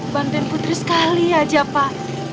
bantuin putri sekali aja pak